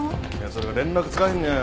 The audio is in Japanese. それが連絡つかへんねん。